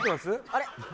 あれ？